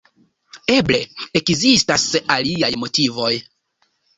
Eble, ekzistas aliaj motivoj.